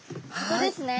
ここですね。